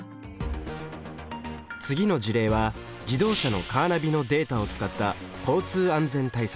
次の事例は自動車のカーナビのデータを使った交通安全対策。